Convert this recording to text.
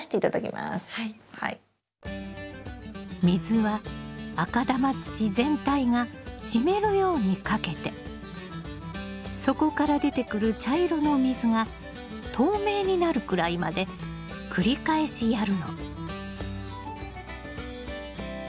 水は赤玉土全体が湿るようにかけて底から出てくる茶色の水が透明になるくらいまで繰り返しやるの。